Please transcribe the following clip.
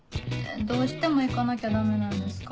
どうしても行かなきゃダメなんですか？